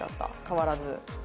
変わらず。